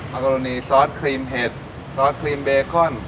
กรณีซอสครีมเห็ดซอสครีมเบคอน